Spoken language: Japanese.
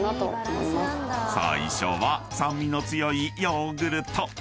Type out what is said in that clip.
［最初は酸味の強いヨーグルト］